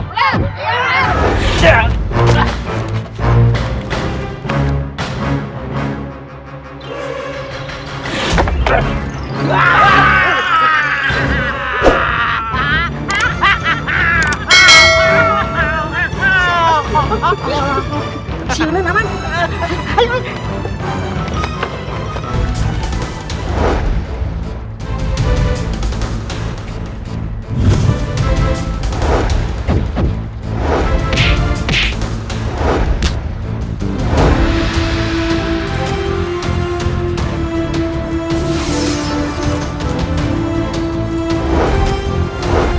pertama yang siap biro